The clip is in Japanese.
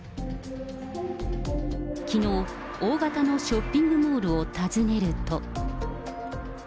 きのう、大型のショッピングモールを訪ねると。